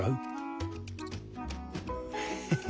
フフフ。